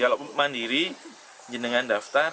walaupun mandiri jenengan daftar